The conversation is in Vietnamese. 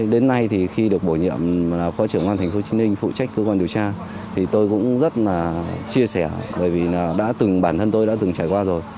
đến nay thì khi được bổ nhiệm phó trưởng công an tp hcm phụ trách cơ quan điều tra thì tôi cũng rất là chia sẻ bởi vì đã từng bản thân tôi đã từng trải qua rồi